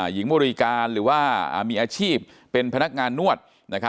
หญิงบริการหรือว่ามีอาชีพเป็นพนักงานนวด